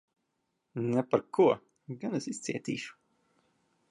Ne par ko! Gan es izcietīšu.